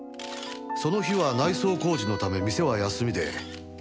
その日は内装工事のため店は休みで。